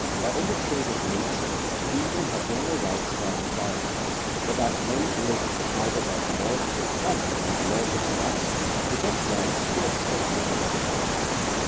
that in the state of nature reason has no more rights than desire, but that men living either by the laws of the former or the laws of the latter, possess rights co extensive with their powers.